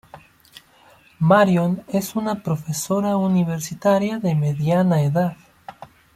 Marion es una profesora universitaria de mediana edad.